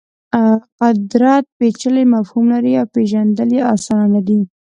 قدرت پېچلی مفهوم لري او پېژندل یې اسان نه دي.